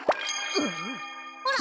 ほら！